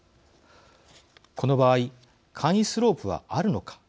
この場合簡易スロープはあるのか。